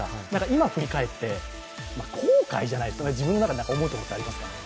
今振り返って、後悔じゃないですけど、自分の中で思うことはありますか。